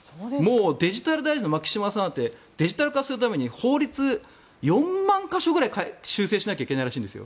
デジタル大臣の牧島さんだってデジタル化するために法律、４万か所くらい修正しなきゃいけないらしいんです。